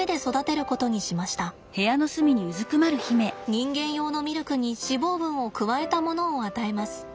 人間用のミルクに脂肪分を加えたものを与えます。